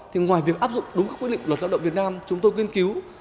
thì ngoài việc áp dụng đúng các quyết định luật lao động việt nam chúng tôi nghiên cứu